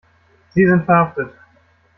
Sie sind verhaftet.